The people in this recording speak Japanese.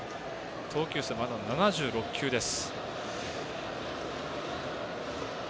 投球数、まだ７６球です。